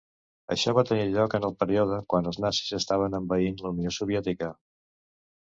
Això va tenir lloc en el període quan els nazis estaven envaint la Unió Soviètica.